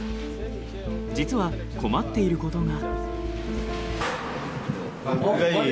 実は困っていることが。